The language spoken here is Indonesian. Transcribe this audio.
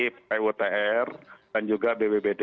kita kerahkan dari putr dan juga bbbd